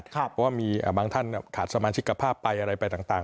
เพราะว่ามีบางท่านขาดสมาชิกภาพไปอะไรไปต่าง